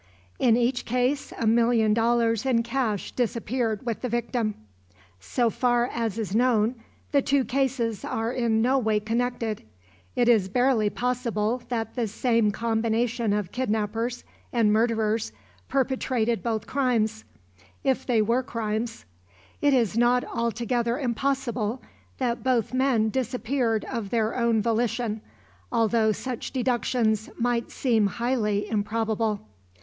In each case a million dollars in cash disappeared with the victim. So far as is known the two cases are in no way connected. It is barely possible that the same combination of kidnappers and murderers perpetrated both crimes if they were crimes. It is not altogether impossible that both men disappeared of their own volition, although such deductions might seem highly improbable.